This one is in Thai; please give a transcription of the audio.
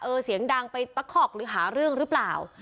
เสียงดังไปตะคอกหรือหาเรื่องหรือเปล่า